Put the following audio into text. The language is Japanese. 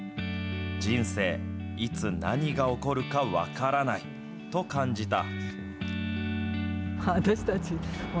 人生、いつ、何が起こるか分からないと感じた。